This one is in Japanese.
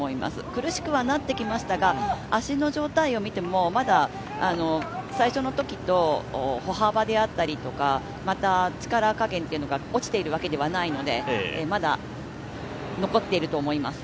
苦しくはなってきましたが、足の状態を見ても、まだ最初のときと歩幅であったり、力加減っていうのが落ちているわけではないのでまだ残っていると思います。